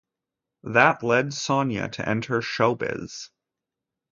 That led Sonia to enter showbiz.